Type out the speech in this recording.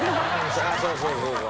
そうそうそうそう。